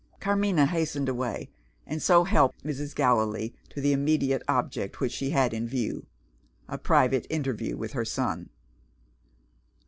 Carmina hastened away, and so helped Mrs. Gallilee to the immediate object which she had in view a private interview with her son.